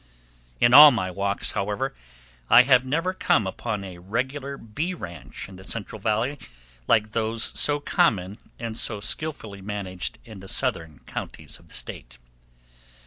In all my walks, however, I have never come upon a regular bee ranch in the Central Valley like those so common and so skilfully managed in the southern counties of the State.